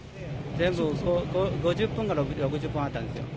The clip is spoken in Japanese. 全部で５０本から６０本あったんですよ。